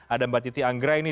ada mbak titi anggrai